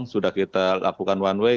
sudah kita lakukan one way